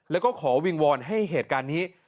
แล้วก็ขอวิงวอนให้เหตุการณ์นี้